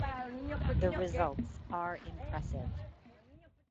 The results are impressive.